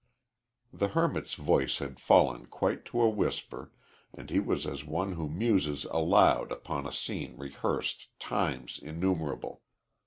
The hermit's voice had fallen quite to a whisper, and he was as one who muses aloud upon a scene rehearsed times innumerable.